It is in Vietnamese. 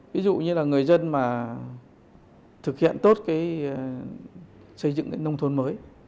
ví dụ như là người dân mà thực hiện tốt cái xây dựng nông thôn mới